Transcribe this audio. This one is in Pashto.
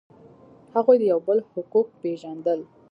هغوی د یو بل حقوق پیژندل.